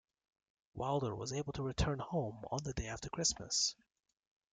Wilder was able to return home on the day after Christmas.